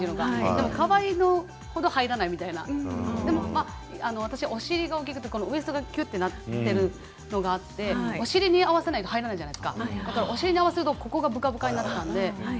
でもかわいいのほど入らないみたいな私、お尻が大きくてウエストがきゅっとなっているのがあってお尻に合わせないと入らないじゃないですか、お尻に合わせるとウエストがぶかぶかになる感じで。